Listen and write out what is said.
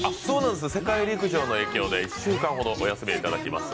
世界陸上の影響で１週間ほどお休みいただきます。